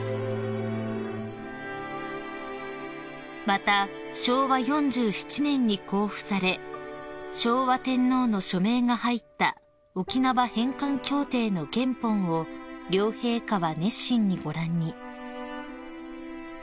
［また昭和４７年に公布され昭和天皇の署名が入った沖縄返還協定の原本を両陛下は熱心にご覧に］